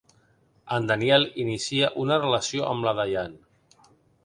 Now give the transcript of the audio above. En Daniel inicia una relació amb la Diane.